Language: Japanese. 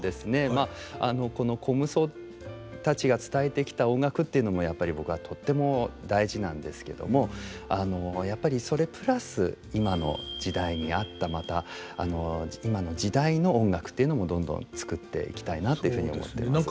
まあこの虚無僧たちが伝えてきた音楽っていうのもやっぱり僕はとっても大事なんですけどもやっぱりそれプラス今の時代に合ったまた今の時代の音楽というのもどんどん作っていきたいなっていうふうに思ってます。